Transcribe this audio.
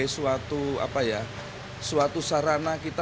kita harus memaknai itu sebagai suatu sarana kita